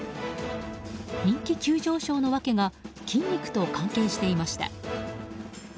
人気急上昇の訳が筋肉と関係していました。